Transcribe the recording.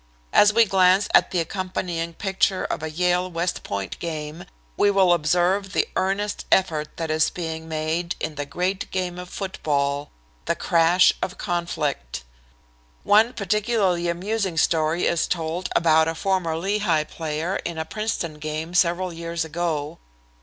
As we glance at the accompanying picture of a Yale West Point game, we will observe the earnest effort that is being made in the great game of football the crash of conflict. One particularly amusing story is told about a former Lehigh player in a Princeton game several years ago.